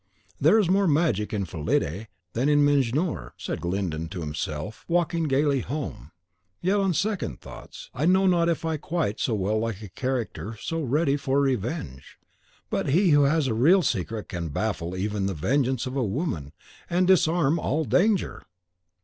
"There is more magic in Fillide than in Mejnour," said Glyndon to himself, walking gayly home; "yet on second thoughts, I know not if I quite so well like a character so ready for revenge. But he who has the real secret can baffle even the vengeance of a woman, and disarm all danger!"